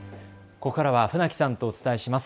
ここからは船木さんとお伝えします。